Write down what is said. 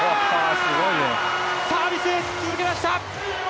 サービスエース続けました！